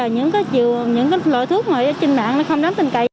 những cái loại thuốc mà trên mạng nó không đáng tin cậy